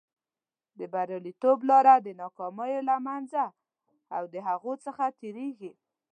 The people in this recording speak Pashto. د بریالیتوب لاره د ناکامیو له منځه او د هغو څخه تېرېږي.